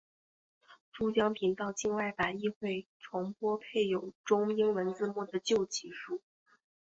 珠江频道境外版亦会重播配有中英文字幕的旧集数。